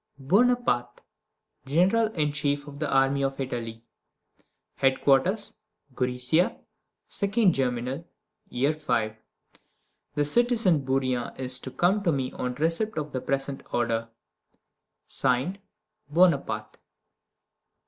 BONAPARTE, GENERAL IN CHIEF OF THE ARMY OF ITALY. Headquarters, Gorizia, 2d Germinal, year V. The citizen Bourrienne is to come to me on receipt of the present order. (Signed) BONAPARTE.